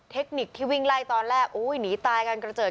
เทคนิคที่วิ่งไล่ตอนแรกโอ้ยหนีตายกันกระเจิด